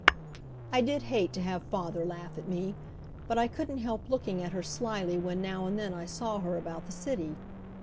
I did hate to have father laugh at me, but I couldn't help looking at her slyly when now and then I saw her about the city.